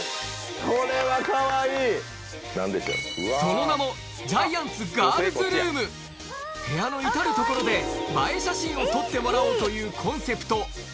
その名も部屋の至る所でしてもらおうというコンセプト